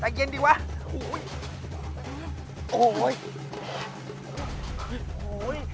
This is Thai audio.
ไปไอ้มายอยู่ออกชีวิตให้ไว้